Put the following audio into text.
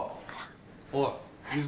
おい。